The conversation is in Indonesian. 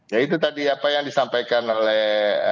ya itu tadi apa yang disampaikan oleh